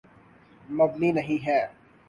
مبنی نہیں ہے۔